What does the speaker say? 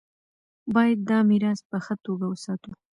باید دا میراث په ښه توګه وساتو.